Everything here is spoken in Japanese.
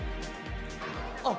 あっ！